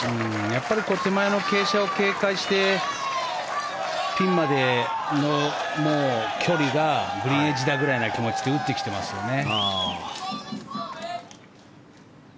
やっぱり手前の傾斜を警戒してピンまでの距離がグリーンエッジだぐらいの気持ちで打ってきてますよね。